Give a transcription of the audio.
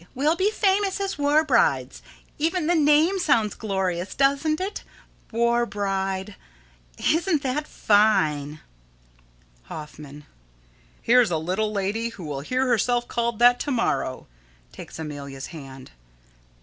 We'll be famous, as war brides. Even the name sounds glorious, doesn't it? War bride! Isn't that fine? Hoffman: Here's a little lady who will hear herself called that to morrow. [_Takes Amelia's hand.